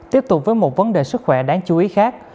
tiếp tục với một vấn đề sức khỏe đáng chú ý khác